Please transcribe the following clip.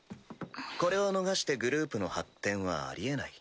これを逃してグループの発展はありえない。